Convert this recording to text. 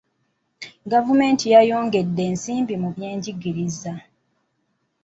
Gavumenti yayongedde ensimbi mu byenjigiriza.